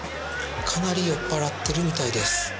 かなり酔っ払ってるみたいです。